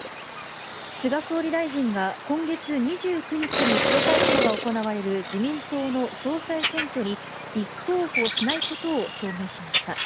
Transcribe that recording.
菅総理大臣が今月２９日に投開票が行われる自民党の総裁選挙に、立候補しないことを表明しました。